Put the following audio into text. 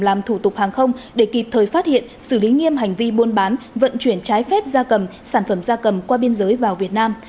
làm thủ tục hàng không để kịp thời phát hiện xử lý nghiêm hành vi buôn bán vận chuyển trái phép gia cầm sản phẩm da cầm qua biên giới vào việt nam